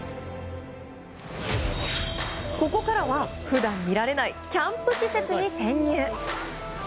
ここからは普段見られないキャンプ施設に潜入。